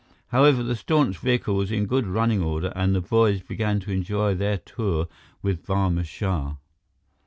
However, the staunch vehicle was in good running order, and the boys began to enjoy their tour with Barma Shah.